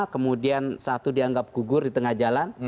kemudian satu dianggap gugur di tengah jalan